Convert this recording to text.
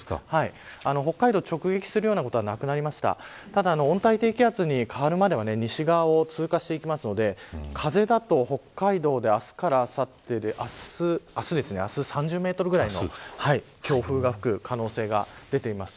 北海道に直撃することはなくなりましたがただ、温帯低気圧に変わるまでは西側を通過していくので風だと北海道で明日からあさってで明日は３０メートルくらいの強風が吹く可能性が出ています。